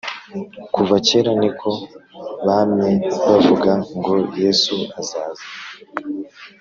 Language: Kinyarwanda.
kuva kera niko bamye bavuga ngo yesu azaza